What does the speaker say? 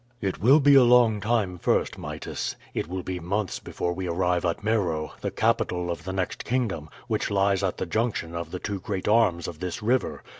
"It will be a long time first, Mytis. It will be months before we arrive at Meroe, the capital of the next kingdom, which lies at the junction of the two great arms of this river.